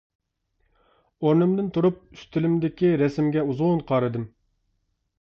ئورنۇمدىن تۇرۇپ ئۈستىلىمدىكى رەسىمگە ئۇزۇن قارىدىم.